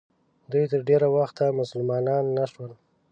دوی تر ډېره وخته مسلمانان نه شول.